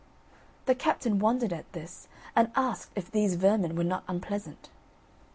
The captain wondered at this, and asked if these vermin were not unpleasant.